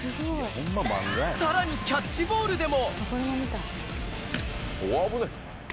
さらにキャッチボールでも。